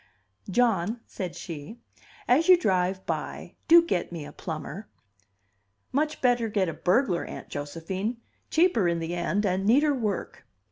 "John," said she, "as you drive by, do get me a plumber." "Much better get a burglar, Aunt Josephine. Cheaper in the end, and neater work."